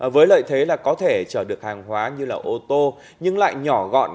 với lợi thế là có thể chở được hàng hóa như là ô tô nhưng lại nhỏ gọn